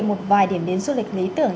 một vài điểm đến du lịch lý tưởng